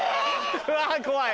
うわ怖い。